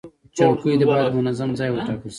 چوکۍ ته باید منظم ځای وټاکل شي.